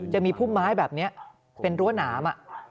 จะมีพุ่มไม้แบบนี้เป็นรั้วหนาม